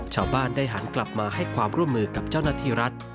ชาวบ้านได้หันกลับมาให้ความร่วมมือกับเจ้าหน้าที่รัฐ